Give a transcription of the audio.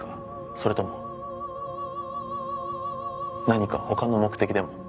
それとも何か他の目的でも？